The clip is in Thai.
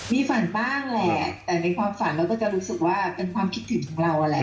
มีฝันบ้างแหละแต่ในความฝันเราก็จะรู้สึกว่าเป็นความคิดถึงของเราแหละ